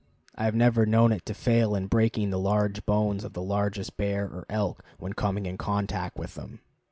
I have never known it to fail in breaking the large bones of the largest bear or elk when coming in contact with them.